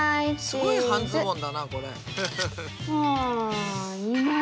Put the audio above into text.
すごい半ズボンだなこれ。